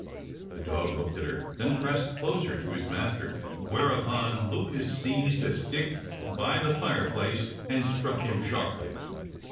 The dog looked at her, then pressed closer to his master, whereupon Lucas seized a stick by the fireplace, and struck him sharply.